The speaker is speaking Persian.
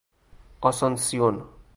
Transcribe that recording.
آسونسیون